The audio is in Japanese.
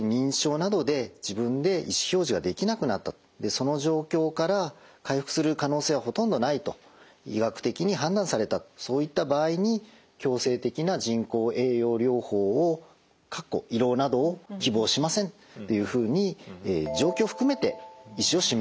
その状況から回復する可能性はほとんどないと医学的に判断されたそういった場合に強制的な人工栄養療法を希望しませんというふうに状況含めて意思を示しておく。